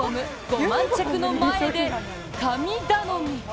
５万着の前で神頼み。